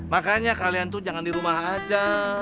makanya kalian tuh jangan di rumah aja